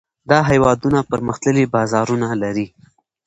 دا هېوادونه پرمختللي بازارونه لري.